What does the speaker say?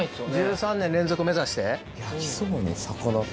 １３年連続目指して？